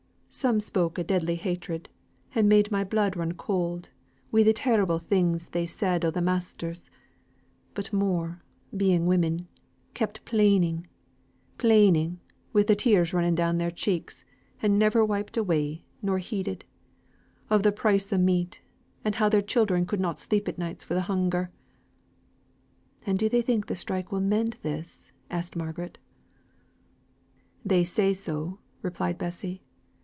Some spoke o' deadly hatred, and made my blood run cold wi' the terrible things they said o' th' masters, but more, being women, kept plaining, plaining (wi' the tears running down their cheeks, and never wiped away, nor heeded), of the price o' meat, and how their childer could na sleep at nights for th' hunger." "And do they think the strike will mend this?" asked Margaret. "They say so," replied Bessy.